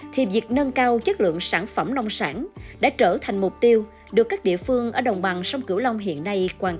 thì việc nâng cao chất lượng sản phẩm nông sản đã trở thành mục tiêu được các địa phương ở đồng bằng sông cửu long hiện nay quan tâm